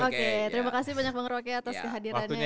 oke terima kasih banyak bang roky atas kehadirannya